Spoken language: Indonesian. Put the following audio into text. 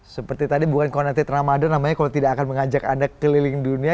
seperti tadi bukan connected ramadan namanya kalau tidak akan mengajak anda keliling dunia